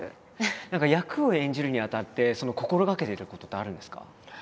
何か役を演じるにあたって心がけてることってあるんですか？